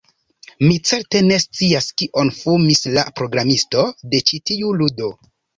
Mi certe ne scias kion fumis la programisto de ĉi tiu ludo